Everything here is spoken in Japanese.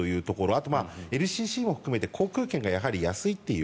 あと、ＬＣＣも含めて航空券が安いという。